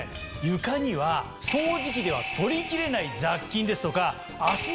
床には掃除機では取りきれない雑菌ですとか。